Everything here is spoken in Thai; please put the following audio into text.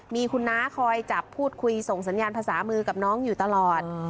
มีคุณน้าคอยจับพูดคุยส่งสัญญาณภาษามือกับน้องอยู่ตลอด